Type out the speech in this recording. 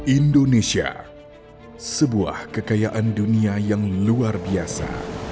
indonesia sebuah kekayaan dunia yang luar biasa